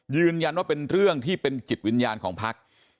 ยืนยันว่าเป็นเรื่องที่เป็นจิตวิญญาณของภักดิ์